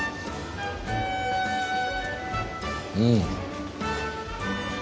うん。